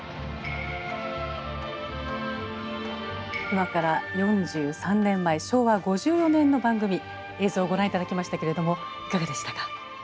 今から４３年前昭和５４年の番組映像をご覧頂きましたけれどもいかがでしたか？